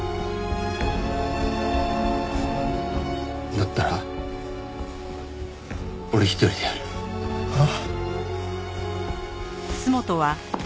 だったら俺一人でやる。はあ？おい！